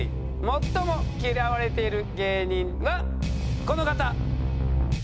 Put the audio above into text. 最も嫌われている芸人はこの方。